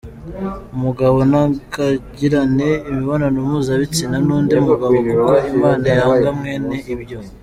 Umugabo ntakagirane imibonano mpuzabitsina n’undi mugabo kuko Imana yanga mwene ibyo.